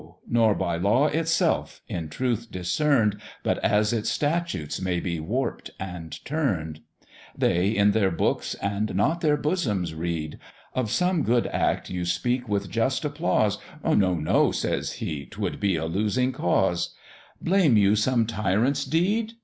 nor by law itself, in truth discern'd, But as its statutes may be warp'd and turn'd: How they should judge of man, his word and deed, They in their books and not their bosoms read: Of some good act you speak with just applause; "No, no!" says he, "'twould be a losing cause: Blame you some tyrant's deed?